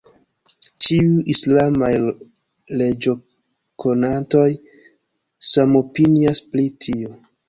Ĉiuj islamaj leĝokonantoj samopinias pri tio.